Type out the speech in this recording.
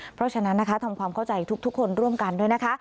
เพราะฉะนั้นนะคะทำความเข้าใจทุกคนร่วมกันด้วยนะคะ